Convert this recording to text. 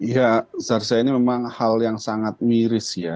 ya seharusnya ini memang hal yang sangat miris ya